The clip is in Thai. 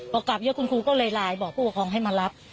พอกลับเยอะคุณครูก็เลยไลน์บอกผู้ปกครองให้มารับ